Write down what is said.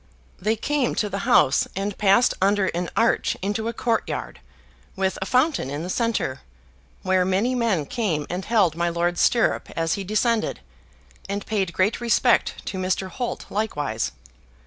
They came to the house, and passed under an arch into a court yard, with a fountain in the centre, where many men came and held my lord's stirrup as he descended, and paid great respect to Mr. Holt likewise.